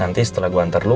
nanti setelah gue nganter lo